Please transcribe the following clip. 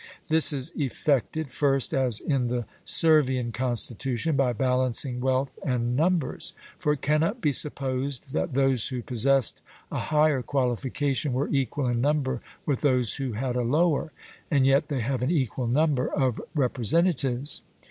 This is effected, first as in the Servian constitution, by balancing wealth and numbers; for it cannot be supposed that those who possessed a higher qualification were equal in number with those who had a lower, and yet they have an equal number of representatives.